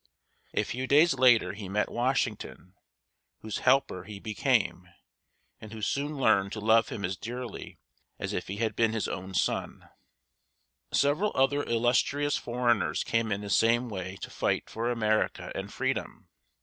A few days later he met Washington, whose helper he became, and who soon learned to love him as dearly as if he had been his own son. [Illustration: Washington and Lafayette.] Several other illustrious foreigners came in the same way to fight for America and freedom.